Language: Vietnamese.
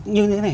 như thế này